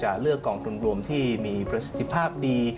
เลือกกองทุนรวมที่มีประสิทธิภาพดี